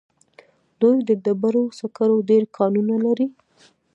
دوی د ډبرو سکرو ډېر کانونه لري.